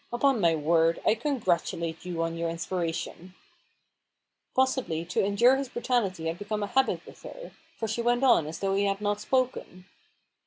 Upon my word, I congratulate you on your inspiration !" Possibly, to endure his brutality had become a habit with her; for she went on as though he had not spoken.